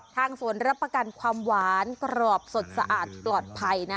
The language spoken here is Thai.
ทางสวนรับประกันความหวานกรอบสดสะอาดปลอดภัยนะ